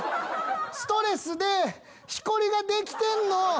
ストレスでしこりができてんの。